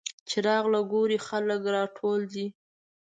چې راغله ګوري چې خلک راټول دي.